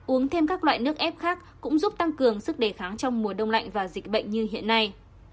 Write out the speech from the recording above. uống thêm các loại nước ép khác cũng giúp tăng cường sức đề kháng trong mùa đông lạnh và dịch bệnh như hiện nay